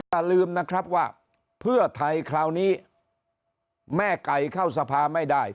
อย่าลืมนะครับว่าเพื่อไทยคราวนี้แม่ไก่เข้าสภาไม่ได้